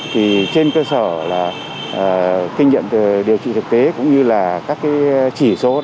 thì trên cơ sở là kinh nhận điều trị thực tế cũng như là các cái chỉ số